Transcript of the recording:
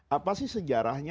apa sih sejarahnya